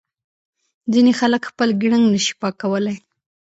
ځینې خلک خپل ګړنګ نه شي پاکولای.